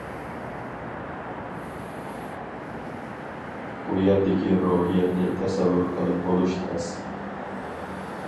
بۇ يەردىكى روھىيەتنى تەسەۋۋۇر قىلىپ بولۇش تەس.